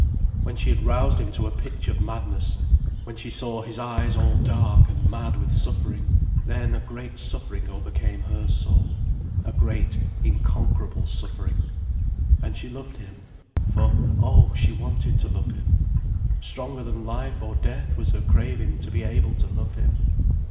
When she had roused him to a pitch of madness, when she saw his eyes all dark and mad with suffering, then a great suffering overcame her soul, a great, inconquerable suffering. And she loved him. For, oh, she wanted to love him. Stronger than life or death was her craving to be able to love him.